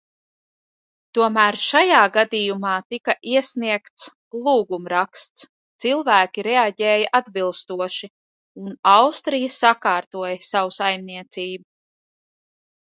Tomēr šajā gadījumā tika iesniegts lūgumraksts, cilvēki reaģēja atbilstoši, un Austrija sakārtoja savu saimniecību.